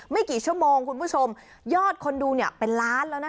ไม่กี่ชั่วโมงคุณผู้ชมยอดคนดูเนี่ยเป็นล้านแล้วนะคะ